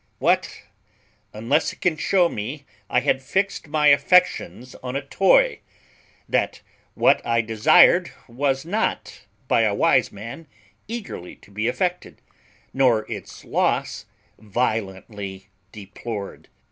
What, unless it can shew me I had fixed my affections on a toy; that what I desired was not, by a wise man, eagerly to be affected, nor its loss violently deplored?